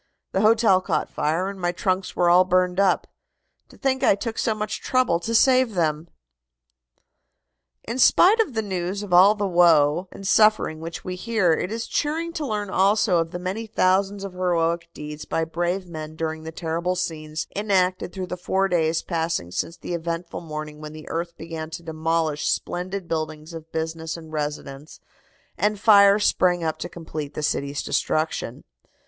The hotel caught fire, and my trunks were all burned up. To think I took so much trouble to save them!" In spite of the news of all the woe and suffering which we hear, it is cheering to learn also of the many thousands of heroic deeds by brave men during the terrible scenes enacted through the four days passing since the eventful morning when the earth began to demolish splendid buildings of business and residence and fire sprang up to complete the city's destruction.